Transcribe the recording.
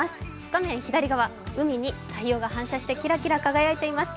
画面左側、海に太陽が反射して、キラキラ輝いています。